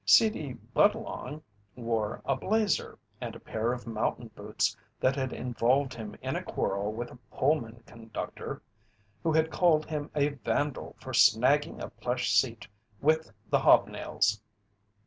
C. D. Budlong wore a "blazer" and a pair of mountain boots that had involved him in a quarrel with a Pullman conductor, who had called him a vandal for snagging a plush seat with the hob nails.